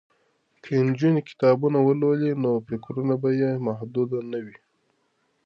که نجونې کتابونه ولولي نو فکرونه به یې محدود نه وي.